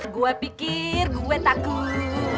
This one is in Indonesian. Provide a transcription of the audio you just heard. gua pikir gua takut